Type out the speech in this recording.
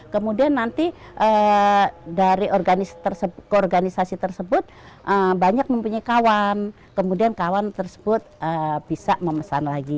kemudian nanti dari organisasi tersebut banyak mempunyai kawan kemudian kawan tersebut bisa memesan lagi